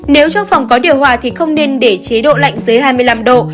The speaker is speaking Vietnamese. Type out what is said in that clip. nếu trong phòng có điều hòa thì không nên để chế độ lạnh dưới hai mươi năm độ